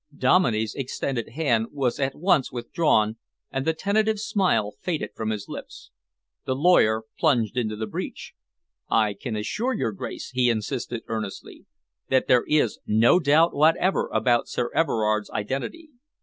Dominey's extended hand was at once withdrawn, and the tentative smile faded from his lips. The lawyer plunged into the breach. "I can assure your Grace," he insisted earnestly, "that there is no doubt whatever about Sir Everard's identity.